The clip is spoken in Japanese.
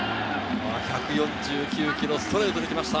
１４９キロ、ストレートで来ました。